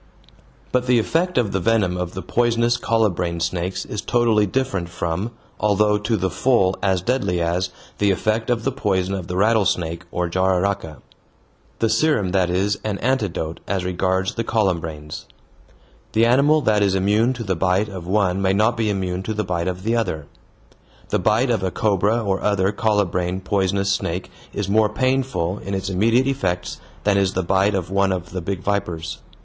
But the effect of the venom of the poisonous colubrine snakes is totally different from, although to the full as deadly as, the effect of the poison of the rattlesnake or jararaca. The serum that is an antidote as regards the colubrines. The animal that is immune to the bite of one may not be immune to the bite of the other. The bite of a cobra or other colubrine poisonous snake is more painful in its immediate effects than is the bite of one of the big vipers.